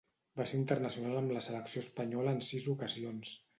Va ser internacional amb la selecció espanyola en sis ocasions.